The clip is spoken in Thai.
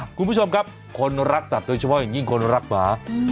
อ่ะคุณผู้ชมครับคนรักสัตว์โดยเฉพาะอย่างนี้คนรักหวาอืม